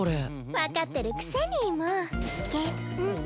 わかってるくせにもう。